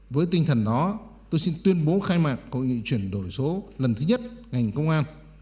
với tinh thần đó tôi xin tuyên bố khai mạc hội nghị chuyển đổi số lần thứ nhất ngành công an